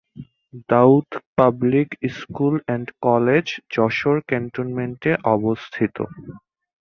Daud Public School and College Jessore ক্যান্টনমেন্টে অবস্থিত।